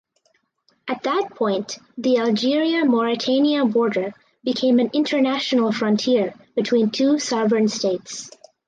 At that point the Algeria–Mauritania border became an international frontier between two sovereign states.